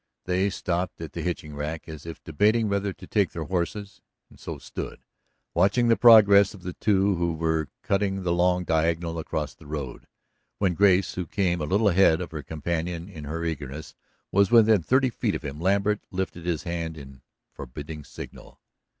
They stopped at the hitching rack as if debating whether to take their horses, and so stood, watching the progress of the two who were cutting the long diagonal across the road. When Grace, who came a little ahead of her companion in her eagerness, was within thirty feet of him, Lambert lifted his hand in forbidding signal.